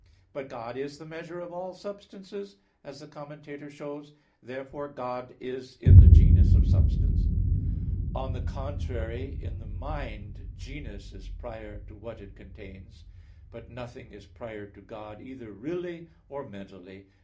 But God is the measure of all substances, as the Commentator shows (Metaph. x). Therefore God is in the genus of substance. On the contrary, In the mind, genus is prior to what it contains. But nothing is prior to God either really or mentally.